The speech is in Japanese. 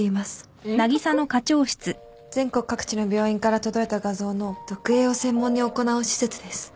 全国各地の病院から届いた画像の読影を専門に行う施設です。